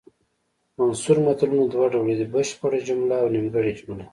منثور متلونه دوه ډوله دي بشپړه جمله او نیمګړې جمله